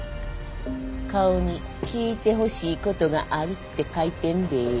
顔に聞いてほしいことがあるって書いてんでぇ。